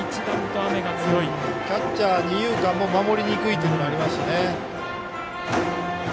キャッチャー、二遊間も守りにくいというのもありますね。